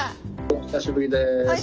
お久しぶりです。